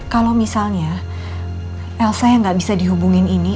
kalau misalnya elsa yang nggak bisa dihubungin ini